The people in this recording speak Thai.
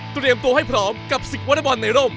เตรียมตัวให้พร้อมกับศึกวอเตอร์บอลในร่ม